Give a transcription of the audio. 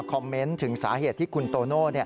เมนต์ถึงสาเหตุที่คุณโตโน่